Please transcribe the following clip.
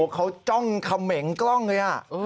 เขาจ้องเขม่งกล้องเลย